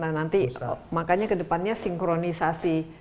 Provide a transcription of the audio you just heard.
nah nanti makanya kedepannya sinkronisasi